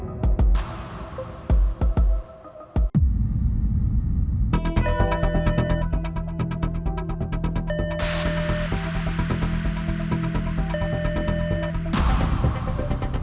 kok putri gak angkat telponnya ya